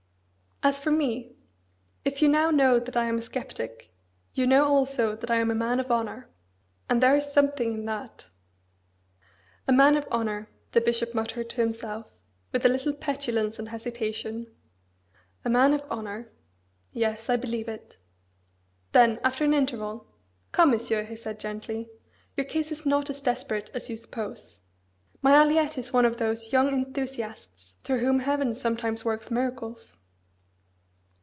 As for me, if you now know that I am a sceptic, you know also that I am a man of honour: and there is something in that!" "A man of honour!" the bishop muttered to himself, with a little petulance and hesitation. "A man of honour! Yes, I believe it!" Then, after an interval, "Come, Monsieur," he said gently, "your case is not as desperate as you suppose. My Aliette is one of those young enthusiasts through whom Heaven sometimes works miracles."